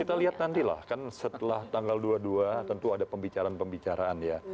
kita lihat nanti lah kan setelah tanggal dua puluh dua tentu ada pembicaraan pembicaraan ya